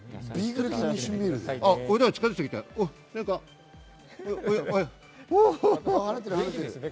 ビーグル犬に一瞬見えるね。